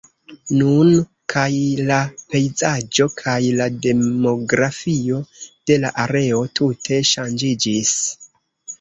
Nun kaj la pejzaĝo kaj la demografio de la areo tute ŝanĝiĝis.